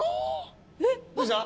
どうした？